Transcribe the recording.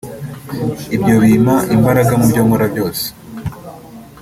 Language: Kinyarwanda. ibyo bimpa imbaraga mu byo nkora byose